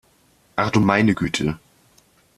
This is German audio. Ach du meine Güte!